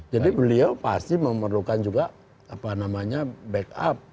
jadi beliau pasti memerlukan juga backup